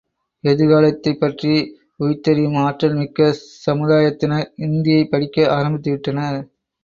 எதிர்காலத்தைப் பற்றி உய்த்தறியும் ஆற்றல் மிக்க சமுதாயத்தினர் இந்தியைப் படிக்க ஆரம்பித்து விட்டனர்.